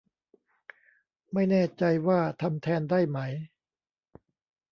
ไม่แน่ใจว่าทำแทนได้ไหม